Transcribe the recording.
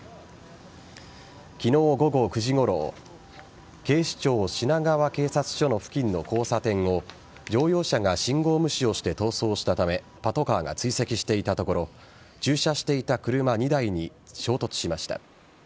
昨日午後９時ごろ警視庁品川警察署の付近の交差点を乗用車が信号無視をして逃走したためパトカーが追跡していたところ駐車していた車２台に衝突しました。